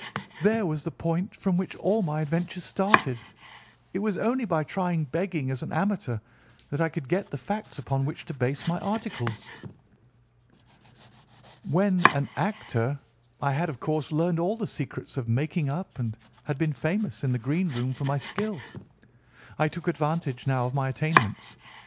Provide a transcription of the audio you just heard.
There was the point from which all my adventures started. It was only by trying begging as an amateur that I could get the facts upon which to base my articles. When an actor I had, of course, learned all the secrets of making up, and had been famous in the green room for my skill. I took advantage now of my attainments.